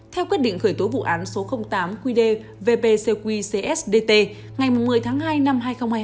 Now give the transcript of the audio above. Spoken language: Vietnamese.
theo quyết định khởi tố vụ án số tám qd vp cq cs dt ngày một mươi tháng hai năm hai nghìn hai mươi hai